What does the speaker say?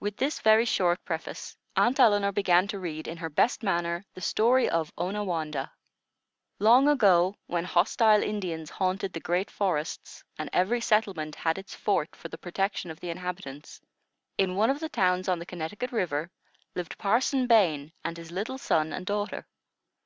With this very short preface, Aunt Elinor began to read, in her best manner, the story of ONAWANDAH. Long ago, when hostile Indians haunted the great forests, and every settlement had its fort for the protection of the inhabitants, in one of the towns on the Connecticut River, lived Parson Bain and his little son and daughter.